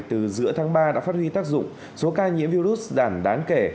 từ giữa tháng ba đã phát huy tác dụng số ca nhiễm virus giảm đáng kể